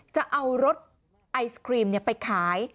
จะเอารถไอศครีมไปขาย